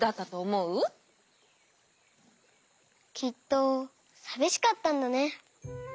きっとさびしかったんだね。